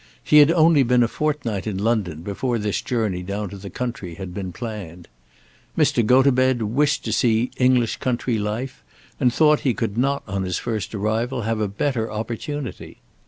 He had only been a fortnight in London before this journey down to the county had been planned. Mr. Gotobed wished to see English country life and thought that he could not on his first arrival have a better opportunity.